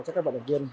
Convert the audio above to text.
cho các vận động viên